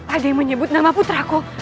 ada yang menyebut nama putraku